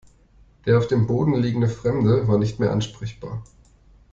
Der auf dem Boden liegende Fremde war nicht mehr ansprechbar.